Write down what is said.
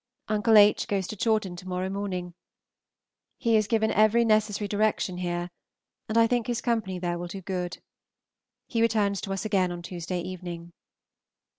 Uncle H. goes to Chawton to morrow morning; he has given every necessary direction here, and I think his company there will do good. He returns to us again on Tuesday evening.